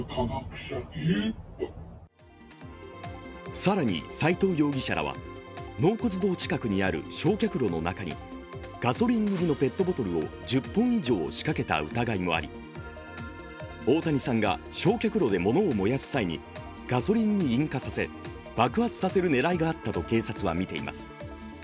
更に斉藤容疑者らは納骨堂近くにある焼却炉の中にガソリン入りのペットボトルを１０本以上仕掛けた疑いもあり大谷さんが焼却炉でものを燃やす際にガソリンに引火させ、爆発させる狙いがあったと警察はみています。